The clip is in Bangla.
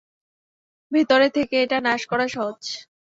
ভেতরে থেকে এটা নাশ করা সহজ।